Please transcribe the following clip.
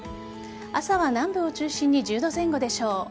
朝は南部を中心に１０度前後でしょう。